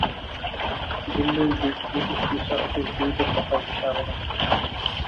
দিল্লির British visa office দুই দফায় তাঁর ভিসা আবেদন প্রত্যাখ্যান করেছে।